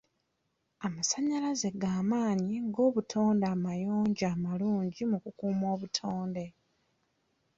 Amasanyalaze g'amaanyi g'obutonde amayonjo malungi mu kukuuma obutonde.